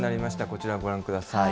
こちらをご覧ください。